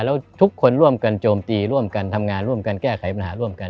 แล้วทุกคนร่วมกันโจมตีร่วมกันทำงานร่วมกันแก้ไขปัญหาร่วมกัน